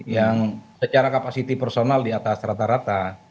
yang secara kapasiti personal di atas rata rata